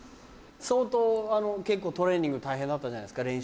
相当結構トレーニング大変だったんじゃないですか？